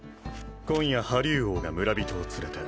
今夜破竜王が村人を連れて